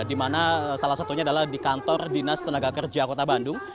di mana salah satunya adalah di kantor dinas tenaga kerja kota bandung